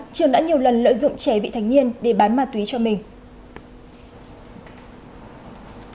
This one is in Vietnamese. trường đã nhiều lần lợi dụng trẻ bị thành nhiên để bán ma túy cho mình